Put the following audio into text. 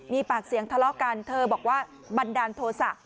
มีปากเสียงทะเลาะกันเธอบอกว่าบันดาลโทษะ